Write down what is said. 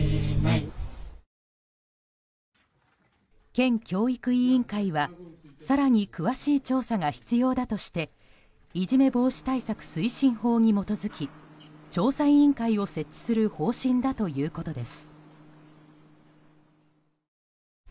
県教育委員会は更に詳しい調査が必要だとしていじめ防止対策推進法に基づき調査委員会を設置する方針だということです。